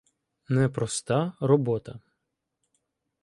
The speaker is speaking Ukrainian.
Непроста робота.